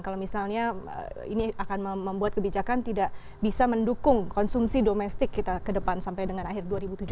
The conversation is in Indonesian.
karena ini akan membuat kebijakan tidak bisa mendukung konsumsi domestik kita ke depan sampai dengan akhir dua ribu tujuh belas